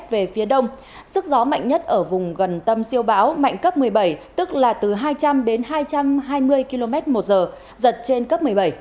về phía đông sức gió mạnh nhất ở vùng gần tâm siêu bão mạnh cấp một mươi bảy tức là từ hai trăm linh đến hai trăm hai mươi km một giờ giật trên cấp một mươi bảy